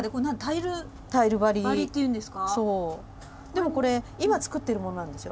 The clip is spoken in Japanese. でもこれ今作ってるものなんですよ。